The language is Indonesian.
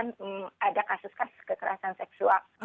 dan juga diberlakukan pada kasus kasus kekerasan seksual